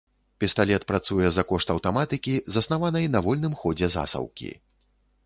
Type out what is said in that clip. Пісталет працуе за кошт аўтаматыкі, заснаванай на вольным ходзе засаўкі.